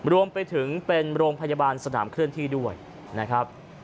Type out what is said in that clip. รวมไปถึงเป็นโรงพยาบาลสนามเคลื่อนที่ด้วยนะครับ